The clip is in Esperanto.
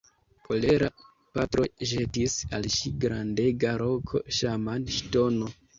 Kolera patro ĵetis al ŝi grandega roko Ŝaman-ŝtono.